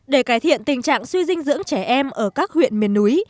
để cải thiện tình trạng suy dinh dưỡng trẻ em ở các huyện miền núi